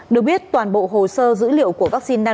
được biết toàn bộ hồ sơ dữ liệu của vaccine nan